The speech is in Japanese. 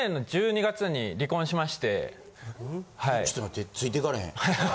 ちょっと待ってついていかれへん。